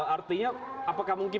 artinya apakah mungkin